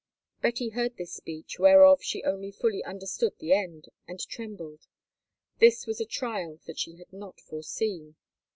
Betty heard this speech, whereof she only fully understood the end, and trembled. This was a trial that she had not foreseen.